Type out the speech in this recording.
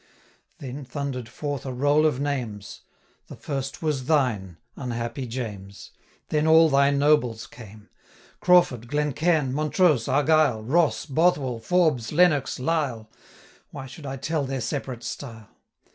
Then thundered forth a roll of names: The first was thine, unhappy James! Then all thy nobles came; Crawford, Glencairn, Montrose, Argyle, 755 Ross, Bothwell, Forbes, Lennox, Lyle, Why should I tell their separate style?